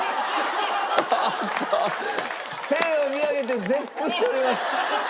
おっと天を見上げて絶句しております。